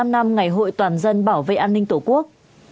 bảy mươi năm năm ngày hội toàn dân bảo vệ an ninh tổ quốc